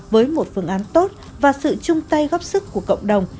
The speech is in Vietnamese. với một phương án tốt và sự chung tay góp sức của cộng đồng